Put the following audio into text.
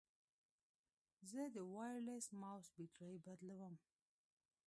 زه د وایرلیس ماؤس بیټرۍ بدلوم.